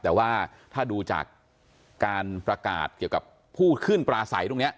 แต่ว่าถ้าดูจากการประกาศเกี่ยวกับผู้ขึ้นปลาใสตรงนี้